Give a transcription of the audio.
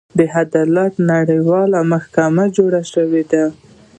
د عدالت نړیواله محکمه جوړه شوې ده.